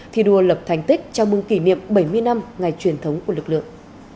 thì đùa lập thành tích chào mừng kỷ niệm bảy mươi năm ngày truyền thống của lực lượng